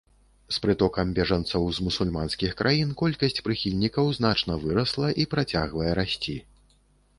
З прытокам бежанцаў з мусульманскіх краін колькасць прыхільнікаў значна вырасла і працягвае расці.